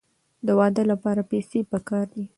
د واده لپاره پیسې پکار دي.